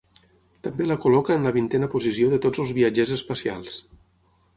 També la col·loca en la vintena posició de tots els viatgers espacials.